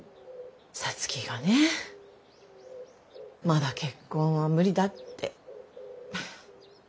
皐月がねまだ結婚は無理だって。